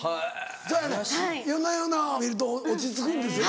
そやねん夜な夜な見ると落ち着くんですよね。